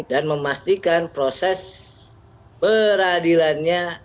dan memastikan proses peradilannya